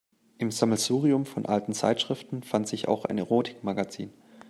Im Sammelsurium von alten Zeitschriften fand sich auch ein Erotikmagazin.